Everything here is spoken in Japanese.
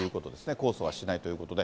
控訴はしないということで。